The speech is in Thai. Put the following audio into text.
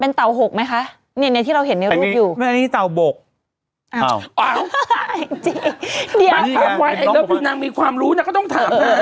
แล้วตัวที่เราเห็นเนี่ยเป็นเต่า๖ไหมคะ